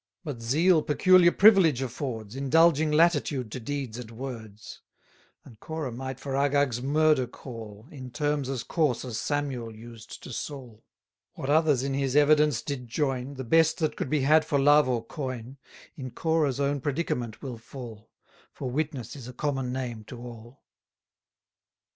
But zeal peculiar privilege affords, Indulging latitude to deeds and words: And Corah might for Agag's murder call, In terms as coarse as Samuel used to Saul. What others in his evidence did join, The best that could be had for love or coin, In Corah's own predicament will fall: 680 For witness is a common name to all.